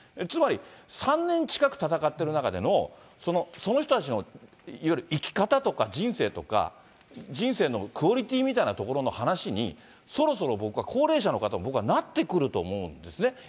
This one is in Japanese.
つまり３年近く闘ってる中での、その人たちの、いわゆる生き方とか人生とか、人生のクオリティーみたいなところの話に、そろそろ僕は高齢者の方は僕はなってくると思うんですね。